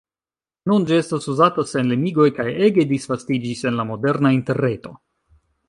Nun ĝi estas uzata sen limigoj kaj ege disvastiĝis en la moderna Interreto.